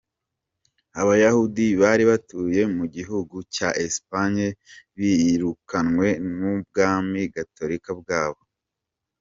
Abayahudi bari batuye mu gihugu cya Espagne birukanwe n’ubwami Gatorika bwaho.